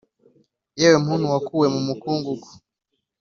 Yewe muntu wakuwe mu mukungugu